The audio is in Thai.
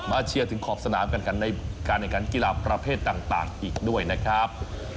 เชียร์ถึงขอบสนามกันกันในการแข่งขันกีฬาประเภทต่างอีกด้วยนะครับ